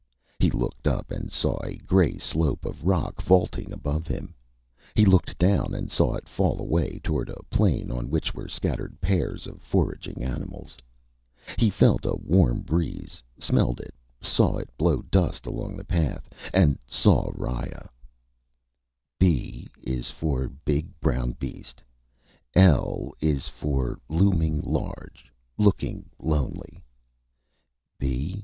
He looked up, and saw a gray slope of rock vaulting above him. He looked down, and saw it fall away toward a plain on which were scattered pairs of foraging animals. He felt a warm breeze, smelled it, saw it blow dust along the path, and saw Riya: B is for big brown beast. L is for looming large, looking lonely. _B?